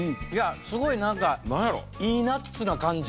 すごいなんかいいナッツな感じ。